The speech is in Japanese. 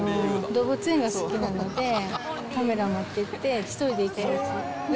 動物園が好きなので、カメラ持っていって、１人で行きます。